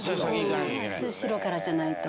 後ろからじゃないと。